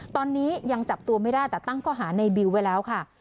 ตอนนี้ยังจับตัวไม่ได้แต่ตั้งข้อหาในบิวไว้แล้วค่ะ